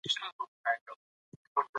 خلکو په حیرانتیا یو بل ته کتل.